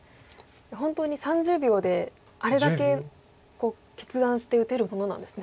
本当に３０秒であれだけ決断して打てるものなんですね。